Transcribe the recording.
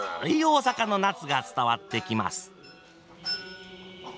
大阪の夏が伝わってきます。